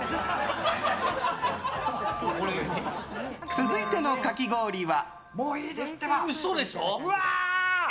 続いてのかき氷は。